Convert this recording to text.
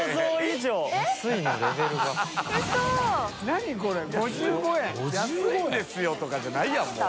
「安いんですよ」とかじゃないやんもう。